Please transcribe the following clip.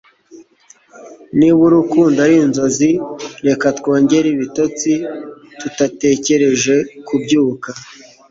niba urukundo arinzozi, reka twongere ibitotsi tutatekereje kubyuka